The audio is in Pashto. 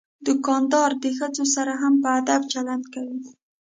دوکاندار د ښځو سره هم په ادب چلند کوي.